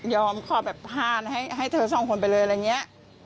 ขอแบบทานให้เธอสองคนไปเลยอะไรอย่างนี้